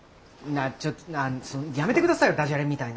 なっちょっやめてくださいよダジャレみたいな。